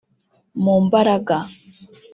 mu mbaraga